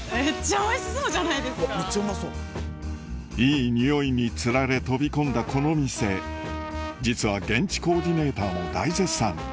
いい匂いにつられ飛び込んだこの店実は現地コーディネーターも大絶賛